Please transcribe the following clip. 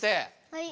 はい。